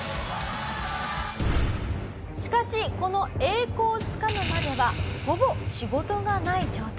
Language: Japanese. しかしこの栄光をつかむまではほぼ仕事がない状態。